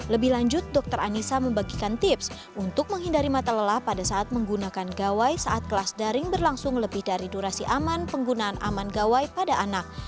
lebih lanjut dokter anissa membagikan tips untuk menghindari mata lelah pada saat menggunakan gawai saat kelas daring berlangsung lebih dari durasi aman penggunaan aman gawai pada anak